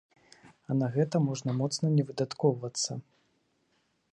А на гэта можна моцна не выдаткоўвацца.